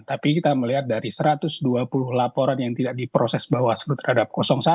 tapi kita melihat dari satu ratus dua puluh laporan yang tidak diproses bawaslu terhadap satu